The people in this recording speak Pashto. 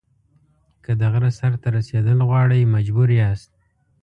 که د غره سر ته رسېدل غواړئ مجبور یاست.